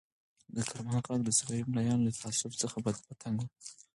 د کرمان خلک د صفوي ملایانو له تعصب څخه په تنګ وو.